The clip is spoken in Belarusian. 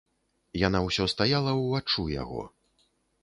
Яна ўсё стаяла ўваччу яго.